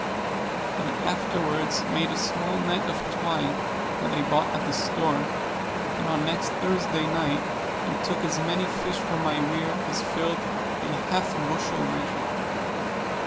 I afterwards made a small net of twine that I bought at the store; and on next Thursday night I took as many fish from my weir as filled a half bushel measure.